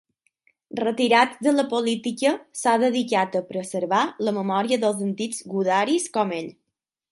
Retirat de la política, s'ha dedicat a preservar la memòria dels antics gudaris com ell.